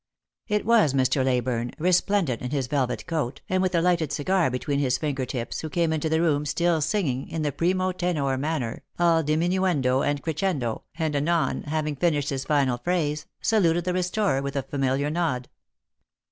It was Mr. Leyburne, resplendent in his velvet coat, and with a lighted cigar between his finger tips, who came into the room still singing, in the primo tenore manner, all diminuendo and crescendo, and anon, having finished his final phrase, saluted the restorer with a familiar nod.